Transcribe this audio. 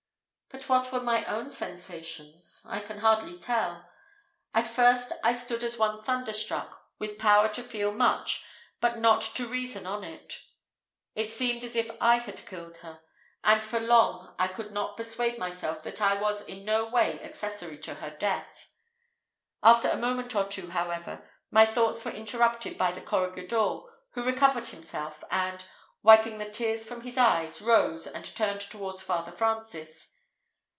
But what were my own sensations? I can hardly tell. At first I stood as one thunder struck, with power to feel much, but not to reason on it. It seemed as if I had killed her; and for long I could not persuade myself that I was in no way accessory to her death. After a moment or two, however, my thoughts were interrupted by the corregidor, who recovered himself, and, wiping the tears from his eyes, rose and turned towards Father Francis.